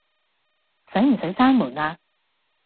使唔使閂門呀？